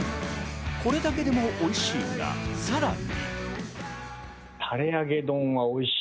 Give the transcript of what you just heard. これだけでもおいしいが、さらに。